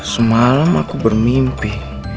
semalam aku bermimpi